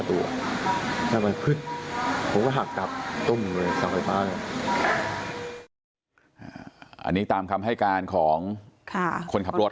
อันนี้ตามคำให้การของคนขับรถ